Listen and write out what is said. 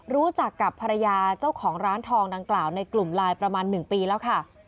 รู้จักกับภรรยาเจ้าของร้านทองดังกล่าวในกลุ่มไลน์ประมาณ๑ปีแล้วค่ะ